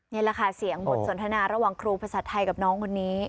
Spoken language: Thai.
นี่แหละค่ะเสียงบทสนทนาระหว่างครูภาษาไทยกับน้องคนนี้